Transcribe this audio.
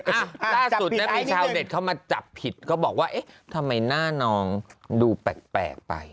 ล่าสุดนะมีชาวเน็ตเข้ามาจับผิดเขาบอกว่าเอ๊ะทำไมหน้าน้องดูแปลกไป